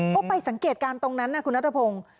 ก็ไปสังเกตการณ์ตรงนั้นนะคุณนัทพงศ์